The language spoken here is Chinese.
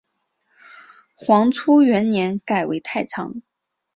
黄初元年改为太常。